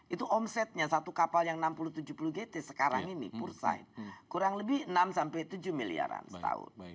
itu omsetnya satu kapal yang enam puluh tujuh puluh gt sekarang ini purside kurang lebih enam sampai tujuh miliaran setahun